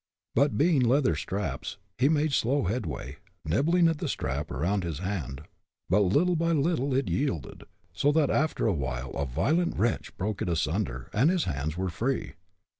But, being leather straps, he made slow headway, nibbling at the strap around his hand; but little by little it yielded, so that after awhile a violent wrench broke it asunder, and his hands were free.